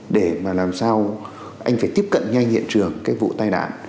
để mà làm sao anh phải tiếp cận nhanh hiện trường cái vụ tai nạn